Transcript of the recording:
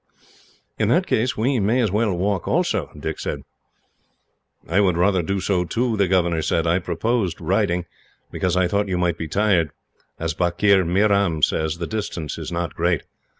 "In that case, we may as well walk, also," Dick said. "I would rather do so, too," the governor said. "I proposed riding, because I thought you might be tired. As Bakir Meeram says, the distance is not great.